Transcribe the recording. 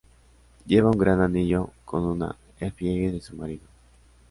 Lleva un gran anillo con una efigie de su marido.